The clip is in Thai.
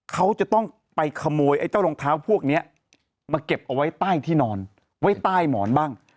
เขาจะต้องไปขโมยไอ้เจ้ารองเท้าพวกนี้มาเก็บเอาไว้ใต้ที่นอนไว้ใต้หมอนบ้าง